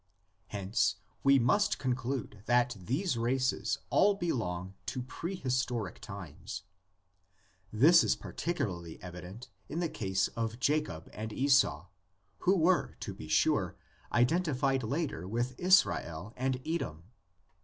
Hence we must conclude that these races all belong to prehistoric times. This is particularly evident in the case of Jacob and Esau, 24 THE LEGENDS OF GENESIS. who were, to be sure, identified later with Israel and Edom.